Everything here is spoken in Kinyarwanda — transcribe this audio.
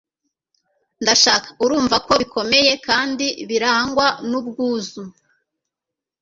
Ndashaka urumva ko bikomeye kandi birangwa n'ubwuzu